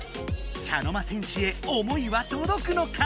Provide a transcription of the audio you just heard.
茶の間戦士へ思いはとどくのか？